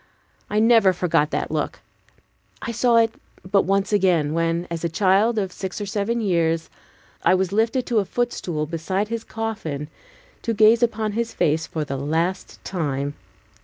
I never forgot that look. I saw it but once again, when, a child of six or seven years, I was lifted to a footstool beside his coffin to gaze upon his face for the last time.